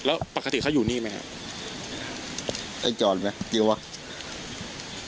แล้วปกติเขาอยู่นี่ไหมครับไอ้จรไหมจรวะชื่ออะไรไหม